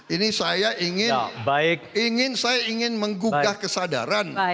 ini saya ingin menggugah kesadaran